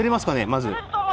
まず。